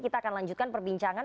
kita akan lanjutkan perbincangan